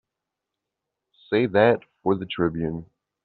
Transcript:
Save that for the Tribune.